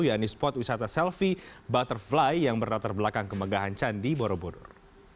yakni spot wisata selfie butterfly yang berlatar belakang kemegahan candi borobudur